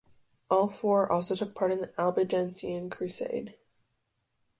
All four also took part in the Albigensian Crusade.